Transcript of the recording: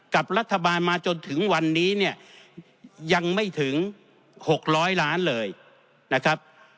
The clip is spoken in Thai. กับรัฐบาลมาจนถึงวันนี้เนี่ยยังไม่ถึง๖๐๐ล้านเลยนะครับ